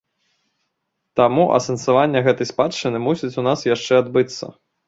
Таму асэнсаванне гэтай спадчыны мусіць у нас яшчэ адбыцца.